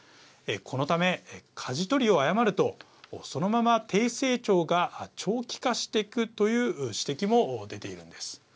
このため、かじ取りを誤るとそのまま低成長が長期化していくという指摘も出ているんです。